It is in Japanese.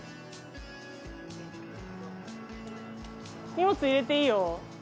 荷物入れていいよ。